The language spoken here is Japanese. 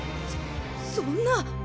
そそんな。